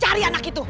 cari anak itu